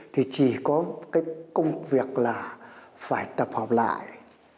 thì chỉ có cái công việc là phải tập hợp lại